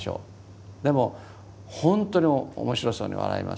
でもほんとに面白そうに笑います。